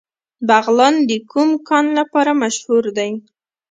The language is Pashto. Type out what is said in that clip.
بغلان د کوم کان لپاره مشهور دی؟